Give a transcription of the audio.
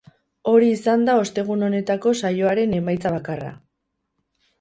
Hori izan da ostegun honetako saioaren emaitza bakarra.